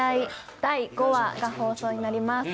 第５話が放送になります。